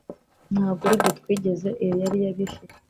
nta gourde twigeze, iyo yari iy'abifite